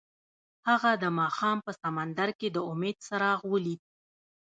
هغه د ماښام په سمندر کې د امید څراغ ولید.